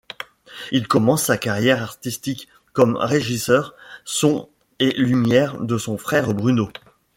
Il commence sa carrière artistique comme régisseur son et lumière de son frère Bruno.